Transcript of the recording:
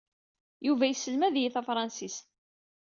Yuba yesselmad-iyi tafṛansit.